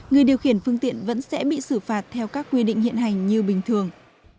người điều khiển phương tiện vẫn sẽ bị xử phạt theo các quy định hiện hành như bình thường